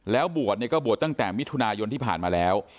แล้วบวชเนี่ยก็บวชตั้งแต่มิถุนายนที่ผ่านมาแล้ว